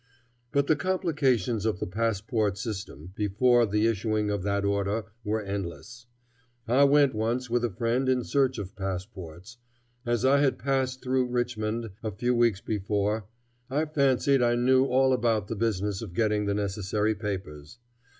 But the complications of the passport system, before the issuing of that order, were endless. I went once with a friend in search of passports. As I had passed through Richmond a few weeks before, I fancied I knew all about the business of getting the necessary papers.